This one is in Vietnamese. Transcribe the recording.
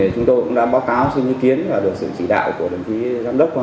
chúng tôi cũng đã báo cáo xin ý kiến và được sự chỉ đạo của đồng chí giám đốc